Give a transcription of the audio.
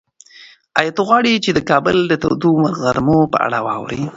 ایا ته غواړې چې د کابل د تودو غرمو په اړه واورې؟